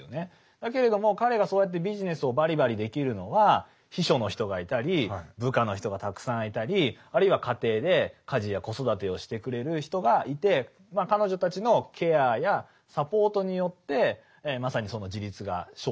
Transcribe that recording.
だけれども彼がそうやってビジネスをバリバリできるのは秘書の人がいたり部下の人がたくさんいたりあるいは家庭で家事や子育てをしてくれる人がいてということは逆にいうとそので恐らくあそうそう。